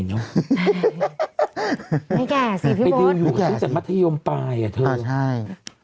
ไม่แก่สิพี่โบ๊ทไม่แก่สิตั้งแต่มัธยมปลายอ่ะเธออ่าใช่อื้อหือ